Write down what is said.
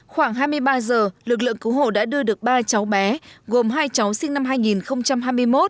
khoảng hai mươi ba giờ lực lượng cứu hộ đã đưa được ba cháu bé gồm hai cháu sinh năm hai nghìn hai mươi một